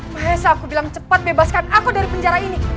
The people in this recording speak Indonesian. mahesa aku bilang cepat bebaskan aku dari penjara ini